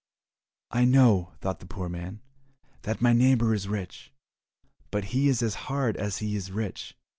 "I know," thought the poor man, "that my neighbour is rich, but he is as hard as he is rich.